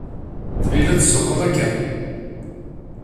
Fell-i i la tetzuxxuḍ akka?